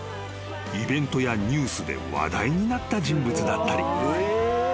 ［イベントやニュースで話題になった人物だったり］